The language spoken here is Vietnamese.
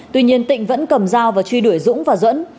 tuy nhiên tịnh vẫn cầm dao và truy đuổi dũng và duẫn